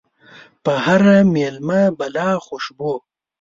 په هر ميلمه بلا خوشبو